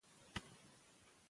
زده کوونکي به تمرین کاوه.